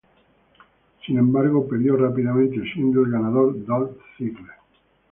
Sin embargo perdió rápidamente, siendo el ganador Dolph Ziggler.